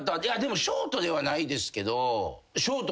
ショートではないですけど。